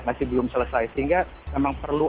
masih belum selesai sehingga memang perlu